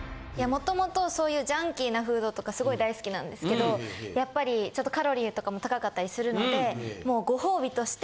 元々そういうジャンキーなフードとかすごい大好きなんですけどやっぱりちょっとカロリーとかも高かったりするので。